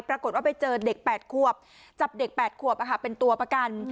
ปรากฏว่าไปเจอเด็ก๘ขวบจับเด็ก๘ขวบเป็นตัวประกัน